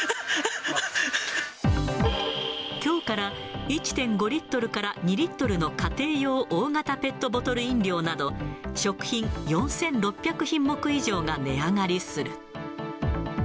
きょうから１．５リットルから２リットルの家庭用大型ペットボトル飲料など、食品４６００品目以上が値上がりする。